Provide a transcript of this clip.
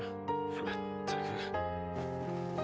まったく。